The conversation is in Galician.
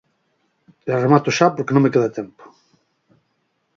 E remato xa porque non me queda tempo.